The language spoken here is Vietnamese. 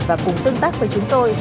và cùng tương tác với chúng tôi